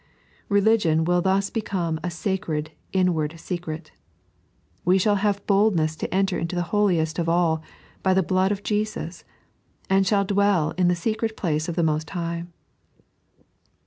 Religion will thus become a sacred inward secret. We shall have boldness to enter into the Holiest of AU by the blood of Jesus, and shall dwell in the secret place of the Most High.